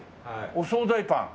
お総菜パン。